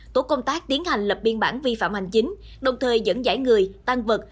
tổ công tác tiến hành lập biên bản vi phạm hành chính đồng thời dẫn giải người tan vật